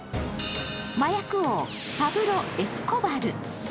麻薬王、パブロ・エスコバル。